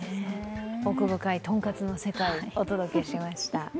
奥深いとんかつの世界、お届けしました。